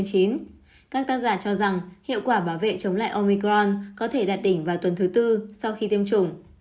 các tác giả cho rằng hiệu quả bảo vệ chống lại omicron có thể đạt đỉnh vào tuần thứ tư sau khi tiêm chủng